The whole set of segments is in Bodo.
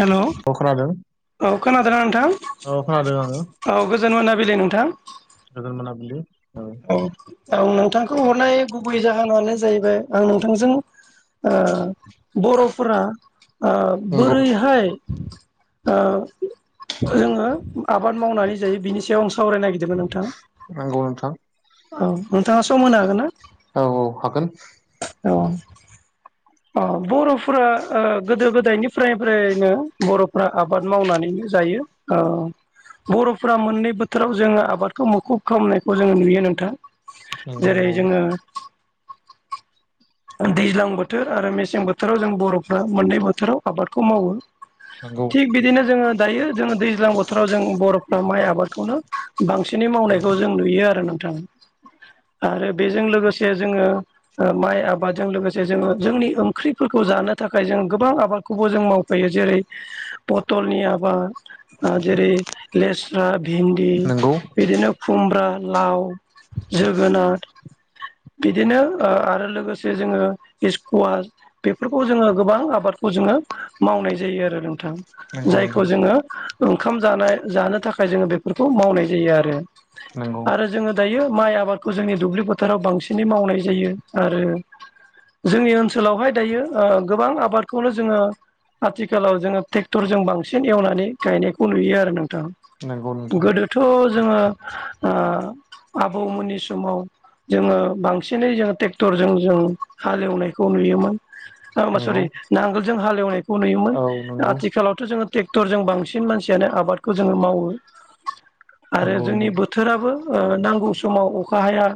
हेल' औ खोनादों औ खोनादोंना औ खोनादों आङो नोंथां औ गोजोन मोनाबिलि नोंथां गोजोन मोनाबिलि ओ औ आं नोंथांखौ हरनाय गुबै जाहोनानो जाहैबाय आं नोंथांजों ओ बर'फोरा नंगौ बोरैहाय ओ जोङो आबाद मावनानै जायो बिनि सायाव आं सावरायनो नागिरदोंमोन नोंथां नंगौ नोंथां औ नोंथाङा सम होनो हागोन ना औ औ हागोन औ अ बर'फोरा गोदो गोदायनिफ्राय फ्रायनो बर'फ्रा आबाद मावनानैनो जायो औ बर'फोरा मोननै बोथोराव जोङो आबादखौ मुखुब खालामनायखौ जोङो नुयो नोंथां नंगौ जेरै औ जोङो दैज्लां बोथोर आरो मेसें बोथोराव जों बर'फ्रा मोननै बोथोराव आबादखौ मावो नंगौ थिग बिदिनो जोङो दायो जोङो दैज्लां बोथोराव जों बर'फ्रा माइ आबादखौनो बांसिनै मावनायखौ जों नुयो आरो नोंथां आरो बेजों लोगोसे जोङो माइ आबाद जों लोगोसे जोङो जोंनि ओंख्रिफोरखौ जानो थाखाय जों गोबां आबादखौबो जों मावफायो जेरै पथ'लनि आबाद जेरै लेस्रा भिन्दि नंगौ बिदिनो खुमब्रा लाउ जोगोनार बिदिनो ओ आरो लोगोसे जोङो स्कुवास बेफोरखौ जोङो गोबां आबादखौ जोङो मावनाय जायो आरो नोंथां नंगौ जायखौ नोंथां जोङो ओंखाम जानाय जानो थाखाय जोङो बेफोरखौ मावनाय जायो आरो नंगौ आरो जोङो दायो माइ आबादखौ जोंनि दुब्लि फोथाराव बांसिनै मावनाय जायो आरो जोंनि ओनसोलावहाय दायो गोबां आबादखौनो जोङो आथिखालाव जोङो ट्रेक्टरजों बांसिन एवनानै गायनायखौ नुयो आरो नोंथां नंगौ नोंथां थ' जोङो ओ आबौमोननि समाव जोङो बांसिनै जोङो ट्रेक्टरजों जों हालेवनायखौ नुयोमोन। नंगौ सरि नांगोलजों हालेवनायखौ नुयोमोन औ नंगौ आथिखालावथ' जोङो ट्रेक्टरजों बांसिन मानसियानो आबादखौ जोङो मावो आरो नंगौ जोंनि नोंथां बोथोर बोथोराबो ओ नांगौ समाव अखा हाया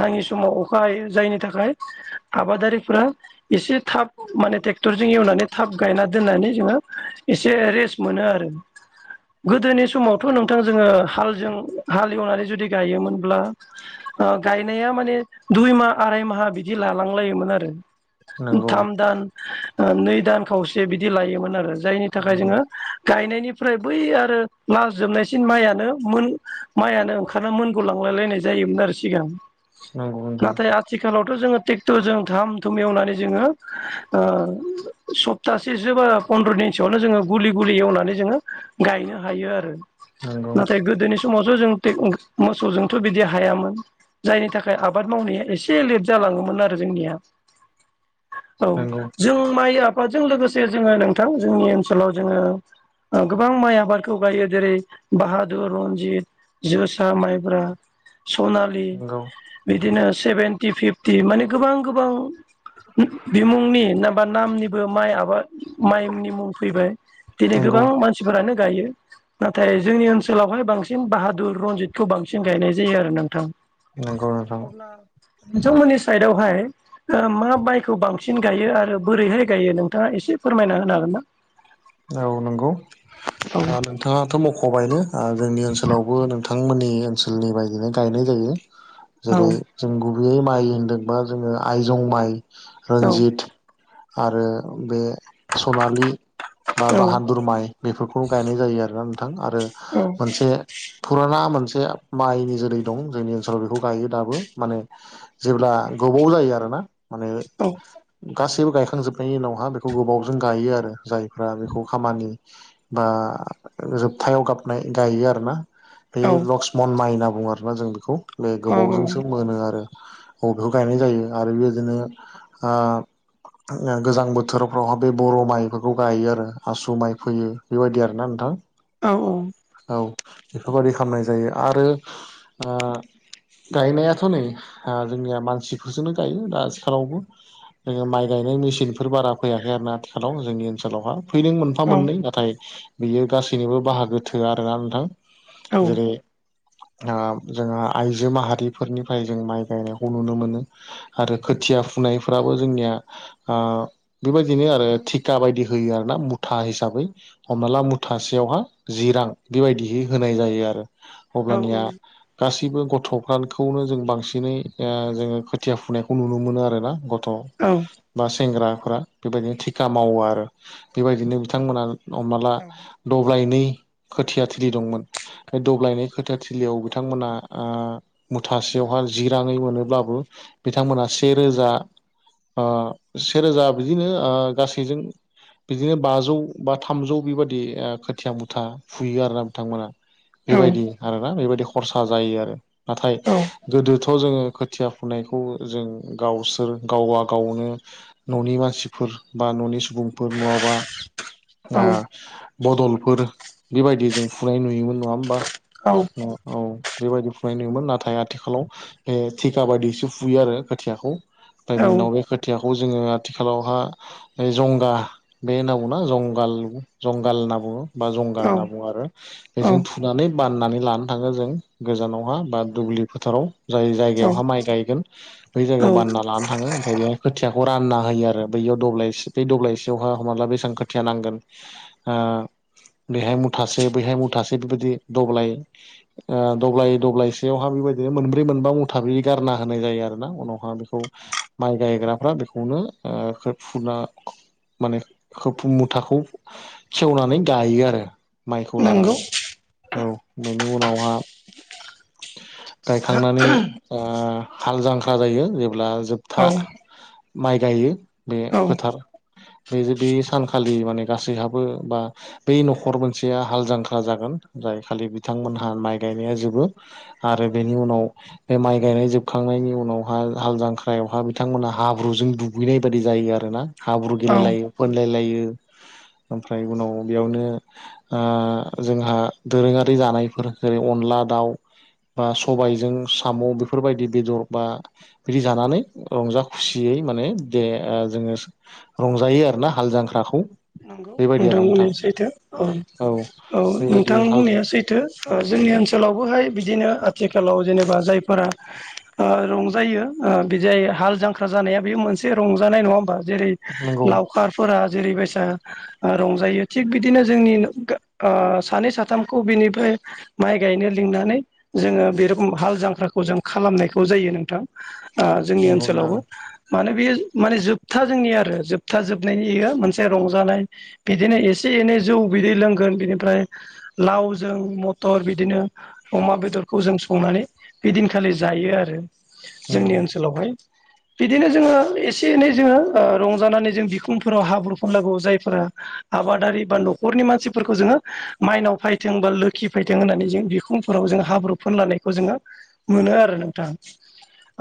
नाङि समाव अखा ह जायैनि थाखाय आबादारिफ्रा एसे थाब माने ट्रेक्टरजों एवनानै थाब गायना दोननानै जोङो एसे रेस्ट मोनो आरो गोदोनि समावथ' नोंथां जोङो हालजों हाल एवनानै जुदि गायोमोनब्ला ओ गायनाया माने दुइ माह आराय माहा बिदि जि लालांलायोमोन आरो नंगौ थाम दान नै दान खावसे बिदि लायोमोन आरो जायनि थाखाय नंगौ जोङो गायनायनिफ्राय बै आरो लास जोबनायसिन माइयानो मोन माइयानो ओं मोनग लांलाय लायनाय जायोमोन आरो सिगां नंगौ नोंथां नाथाय आथिखालावथ' जोंङो। टेकटरजों धाम धुम एवनानै जोंङो। सप्तासेसो बा फन्द्र' दिनसोआवनो जोङो गुलि गुलि एवनानै जोङो। गायनो हायो आरो नंगौ नाथाय गोदोनि समावस' जों मोसौजोंथ' बिदि हायामोन। जायनि थाखाय आबाद मावनाया एसे लेट जालाङोमोन। आरो जोंनिया औ नंगौ जों माइ आफादजों लोगोसे जोङो नोंथां जोंनि ओनसोलाव जोंङो। गोबां माइ आबादखौ गायो जेरै बाहादुर रनजित जोसा माइब्रा सनालि बिदिनो सेभेनटि फिफ्टि माने गोबां गोबां बिमुंनि नाबा नामनिबो माइ आबाद माइनि मुं फैबाय दिनै नंगौ गोबां मानसिफोरानो गायो नाथाय जोंनि ओनसोलावहाय बांसिन बाहादुर रनजितखौ बांसिन गायनाय जायो आरो नोंथां नंगौ नोंथां अब्ला नोंथांमोननि साइदावहाय मा माइखौ बांसिन गायो आरो बोरैहाय गायो नोंथाङा एसे फोरमायना होनो हागोन ना? औ नंगौ औ दा नोंथाङाथ' मख'बायनो जोंनि ओनसोलावबो नों थांमोननि ओनसोलनि बायदिनो गायनाय जायो औ जेरै - जों गुबैयै माइ होनदोंबा जोङो आइजं माइ औ रनजित आरो बे सनालि बा बाहादुर माइ बेफोरखौ गायनाय जायो आरोना नोंथां आरो औ मोनसे फुराना मोनसे माइनि जोरै दं जोंनि ओनसोलाव बेखौ गायो दाबो माने जेब्ला गोबाव जायो आरोना माने औ गासैबो गायखांजोबनायनि उनावहा बेखौ गोबावजों गायो आरो जाय रा बेखौ खामानि बा जोबथायाव गाबनाय गायो आरो ना बे औ लक्ष्मन माइ होनना बुङो आरोना जों बेखौ बे औ गोबावजोंसो मोनो आरो अबेखौ गायनाय जायो आरो बेबायदिनो गोजां बोथोरफ्रावहा बे बर' माइफोरखौ गायो आरो आसु माइ फोयो बेबायदि आरोना नोंथां औ औ औ बेफोरबायादि खालामनाय जायो आरो गायनायाथ' नै जोंनिया मानसिफोरजोंनो गायो दा आथिखालावबो जोङो माइ गायनाय मेसिनफोर बारा फैयाखै आरो आथिलाव जोंनि ओनसोल। आलावहा फैदों मोनफा मोननै नाथाय बियो गासैनिबो बाहागो थोआ आरोना नोंथां। जेरै ओ जोंहा आइजो माहारिफोरनिफ्राय जों माइ गायनायखौ नुनो मोनो। आरो खोथिया फुनायफोराबो जोंनिया ओ बे बायदिनो आरो थिका बायदि होयो आरो ना मुथा हिसाबै हमना ला मुथासेयावहा जि रां बेबायदिहै होनाय जायो आरो अब्लानिया गासैबो गथ'फखौनो जों बांसिनै जोङो खोथिया फुनायखौ नुनो मोनो आरोना। गथ' औ बा सेंग्राफोरा बेबायदिनो थिका मावो आरो बेबायदिनो बिथांमोना हमनाला दब्लायनै खोथिया थिलि दंमोन। बे दब्लायनाय खोथाथिलियाव बिथांमोना ओ मुथासेयावहा जि राङै मोनोब्लाबो बिथांमोनहा सेेरोजा ओ सेरोजा बिदिनो ओ गासैजों बिदिनो बाजौ बा थामजौ बेबायादि खोथिया मुथा फुयो आरोना। बिथांमोना बेबायदि आरोना बेबायदि खरसा जायो आरो। नाथाय गोदो थ' जोङो खोथिया फुनायखौ जों गावसोर गावबा गावनो। न'नि मानसिफोर बा न'नि सुबुं फोर नङाबा बदलफोर बेबायदि जों फुनाय नुयोमोन। नङा होमबा? औ औ बेबायदि फुनाय नुयोमोन नाथाय आथिखालाव बे थिखा बायदिसो फुयो आरो खोथियाखौ। प्राइभेटनाव बे खोथियाखौ जोङो आथिखालावहा जंगा बे होनना बुङना जंगाल जंगाल होनना बुङो बा जंगा औ होनना बुङो आरो। औ बेजों थुनानै बाननानै लानो थाङो जों गोजानावहा बा दुब्लि फोथाराव। जाय औ जायगायावहा माइ गायगोन बै जायगायाव औ बानना लानो थाङो ओमफ्राय बेहाय। खोथियाखौ रानना होयो आरो बैयाव दब्लायसे बै दब्लायसेयावहा हमनाला बेसेबां खोथिया नांगोन। ओ बेैहाय मुथासे बैहाय मुथासे बेबायदि दब्लाय ओ दब्लाय दब्लायसेयावहा बेबायदिनो मोनब्रै मोनबा मुथा गारना होनाय जायो आरो ना उनावहा बेखौ माइ गायग्राफ्रा बेखौनो ओ खो- फुना माने खफ मुथाखौ खेवनानै गायो आरो माइखौ नंगौ लानानै। औ बेनि उनावहा गायखांनानै ओ हाल जांख्रा जायो जेब्ला औ जोबथा माइ गायो बे औ फोथार बे बे सानखालि माने गासैहाबो बा बै न'खर मोनसेया हाल जांख्रा जागोन जाय खालि बिथांमोनहा माइ गायनाया जोबो आरो बेनि उनाव बे माइ गायनाय जोबखांनायनि उनावहााय हाल जांख्रायावहाय बिथांमोनहा हाब्रुजों दुगैनाय बायदि जायो आरो ना। हाब्रु औ गेलेलायो फोनलाय लायो ओमफ्राय उनाव बेयावनो ओ जोंहा दोरोङारि जानायफोर जेरै अनला दाउ बा सबायजों साम' बेफोरबायदि बेदर बा बिदि जानानै रंजा खुसियै माने दे जोङो रंजायो आरो ना हाल जांख्राखौ। नंगौ बेबायदि आरो नोंथां बुंनाया सैथो औ औ बेबायदि नोंथां हाल बुंनाया सैथो। ओ जोंनि ओनसोलावबोहाय बिदिनो आथिखालाव जेनेबा जायफोरा ओ रंजायो बिदिाय हाल जांख्रा जानाया बेयो मोनसे रंजानाय नङा होमबा जेरै नंगौ लावखारफोरा जेरैबायसा ओ रंजायो थिग बिदिनो जोंनि गो- सानै साथामखौ बिनिफ्राय माइ गायनो लिंनानै जोङो बे रोखम हाल जांख्राखौ जों खालामनायखौ जायो नोंथां। जोंनि नंगौ नोंथां ओनसोलावबो मानो बेयो माने जोबथा जोंनि आरो जोबथा जोबनायनियो मोनसे रं जानाय बिदिनो एसे एनै जौ बिदै लोंगोन बिनिफ्राय लावजों मथर बिदिनो अमा बेदरखौ जों संनानै बेदिनखालि जायो आरो नंगौ जोंनि ओनसोलावहाय बिदिनो जोंङो एसे-एनै जोंङो रंजानानै जों बिखुंफोराव हाब्रु फुननांगौ जायफोरा आबादारि बा न'खरनि मानसिफोरखौ जोङो माइनाव फैथों बा लोखि फैथों होननानै जों बिखुंफोराव जों हाब्रु फोनलानायखौ जोङो मोनो आरो नोंथां।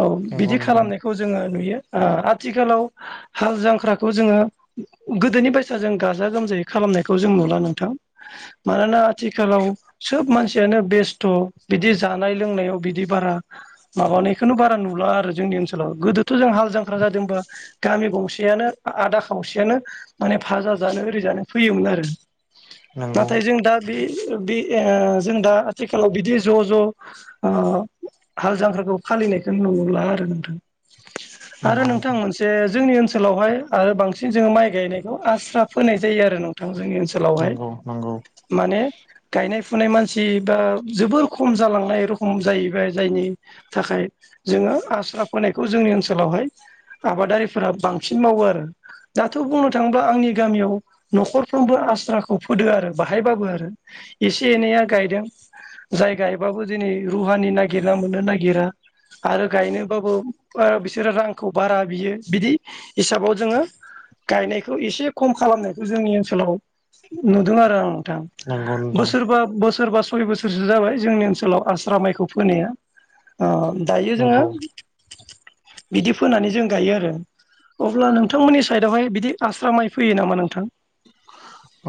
औ नंगौ बिदि नोंथां खालामनायखौ। जोङो नुयो ओ आथिखालाव हाल-जांख्राखौ जोङो गो गोदोनि बायसा जों गाजा-गोमजायै खालामनायखौ जों नुला नोंथां मानोना आथिखालाव सोब मानसियानो बेस्थ' बिदि जानाय लोंनायाव बिदि बारा, माबानायखौ बारा नुला आरो जोंनि ओनसोलाव गोदोथ' जों हाल जां हाग्रा जादोंबा गामि गंसेयानो आदा खावसेयानो। माने भाजा जानो ओरै जानो फैयोमोन आरो नंगौ नाथाय जों दा। बे बे ओ जों दा आथिखालाव बिदि ज' ज' ओ हाल-जांख्राखौ फालिनायखौ नुला आरो नोंथां। आरो नोंथां मोनसे जोंनि ओनसोलावहाय आरो बांसिन जोंङो माइ गायनाय बेखौ आस्रा फोनाय जायो आरो नोंथां जोंनि ओनसोलावहाय नंगौ नंगौ माने, गायनाय-फुनाय मानसि बा जोबोर खम जालांनाय रखम जाहैबाय जायनि। थाखाय जोङो आस्रा फोनायखौ जोंनि ओनसोलावहाय। आबादारिफोरा बांसिन मावो आरो दाथ' बुंनो थांबा आंनि गामियाव न'खरफ्रोमबो आस्राखौ फोदो आरो बाहायबाबो आरो। एसे-एनैया गायदों। जाय गायबाबो दिनै रुहानि नागिरना मोननो नागिरा। आरो गायनोबाबो ओ बिसोरो रांखौ बारा बियो बिदि हिसाबाव जोङो। गायनायखौ एसे खम खालामनायखौ जोंनि ओनसोलाव, नुदों आरो आं नोंथां नंगौ नोंथां बोसोरबा बोसोरबास सय बोसोरसो जाबाय जोंनि ओनसोलाव आस्रा माइखौ फोनाया ओ दायो जोङो। नंगौ बिदि फोनानै जों गायो आरो अब्ला नोंथांमोननि साइड आवहाय बिदि आस्रा माइ फैयो नामा नोंथां?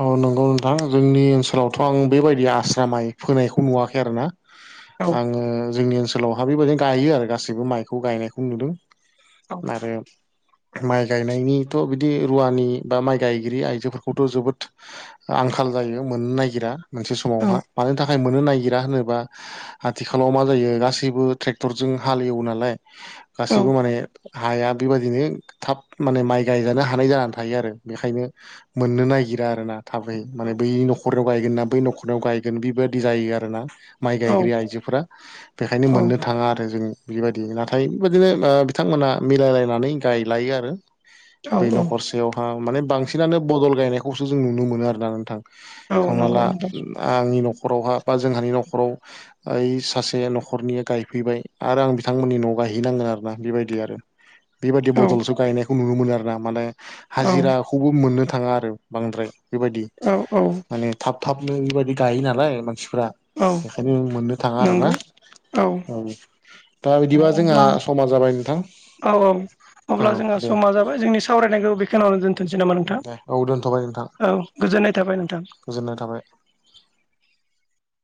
औ नंगौ नोंथां जोंनि ओनसोलावथ' आं बेबायदि आस्रा माइ फोनायखौ नुवाखै आरो ना। औ आङो जोंनि ओनसोलावहा बेबायदिनो गायो आरो गासैबो माइखौ गायनायखौ नुदों। औ आरो माइ गायनायनिथ' बिदि रुवानि बा माइ गायगिरि आइजो खौथ' जोबोद आंखाल जायो मोननो नायगिरा मोनसे समावहा मानो थाख थाखाय मोननो नागिरा होनोबा आथिखालाव मा जायो गासैबो ट्रेक्टरजों हाल एवो नालाय। औ गासिबो माने हाया बेबायदिनो थाब माने माइ गायजानो हानाय जानानै थायो आरो बेखायनो। मोननो नागिरा आरो ना थाबै माने बै न'खराव। गायगोन ना बै न'खराव गायगोन बिबायदि जायो आरोना? माइ गायग्रोयो आइजोफोरा बेखायनो मोननो थाङा आरो जों, बेबायदि नाथाय बेबायदिनो बिथांमोनहा मिलायलायनानै गायलायो आरो। औ बै न'खरसेयावहा माने बांसिनानो बदल गायनायखौसो जों नुनो मोनो आरोना नोंथां। औ हमना नंगौ ला नोंथां आंनि न'खरावहा बा जोंहानि न'खराव ओइ सासे न'खरनिया गायफैबाय आरो आं बिथांमोननि न'आव गायहैनांगोन आरोना बेबायदि आरो बेबायदि औ बदलसो गायनायखौ नुनो मोनो आरो ना माने औ हाजिराखौबो मोननो थां, थाङा आरो बांद्राय बेबायदि। औ औ माने थाब-थाबनो बेबायदि गायो नालाय मानसिफ्रा औ बेखायनो मोननो थाङा आरो ना? नंगौ औ दा बिदिबा जोंहा अब्ला समा जाबाय नोंथां। औ औ अब्ला औ जोंहा दे समा जाबाय जोंनि सावरायनायखौ बेखिनियावनो दोनथोंनोसै नामा नोंथां? दे औ दोनथ'बाय नोंथां औ गोजोननाय थाबाय नोंथां [inaudible] गोजोननाय थाबाय।